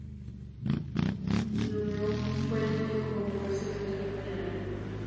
Dunlop fue elegido como primer secretario general.